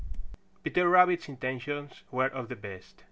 Peter Rabbit's intentions were of the best.